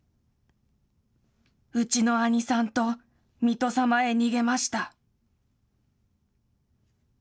うちの兄さんと水戸様へ逃げました。